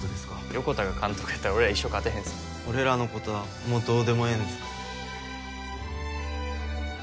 横田が監督やったら俺ら一生勝てへんぞ俺らのことはもうどうでもええんですか？